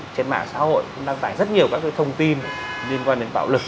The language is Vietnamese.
trên mạng xã hội cũng đăng tải rất nhiều các thông tin liên quan đến bạo lực